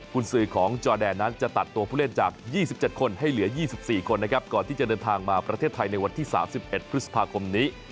คุณซื้อของจอแดนนั้นจะตัดตัวผู้เล่นจาก๒๗คนให้เหลือ๒๔คนนะครับก่อนที่จะเดินทางมาประเทศไทยในวันที่๓๑พฤษภาคมนี้